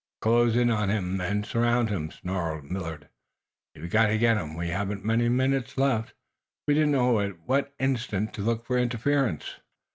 "Close in on him, men surround him!" snarled Millard. "You've got to get him! We haven't many minutes left. We don't know at what instant to look for interference."